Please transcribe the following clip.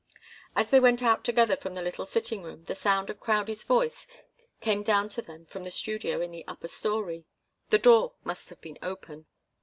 As they went out together from the little sitting room, the sound of Crowdie's voice came down to them from the studio in the upper story. The door must have been open.